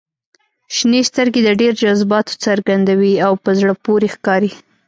• شنې سترګې د ډېر جذباتو څرګندوي او په زړه پورې ښکاري.